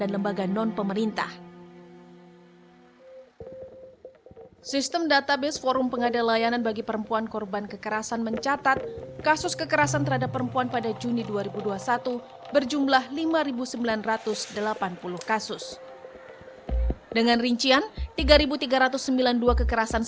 tapi dia memaksa sambil mengatakan